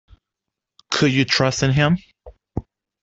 Could you trust in him?